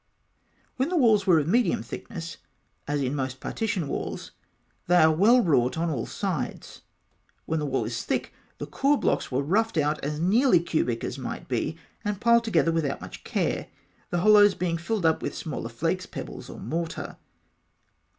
When the walls were of medium thickness, as in most partition walls, they are well wrought on all sides. When the wall was thick, the core blocks were roughed out as nearly cubic as might be, and piled together without much care, the hollows being filled up with smaller flakes, pebbles, or mortar.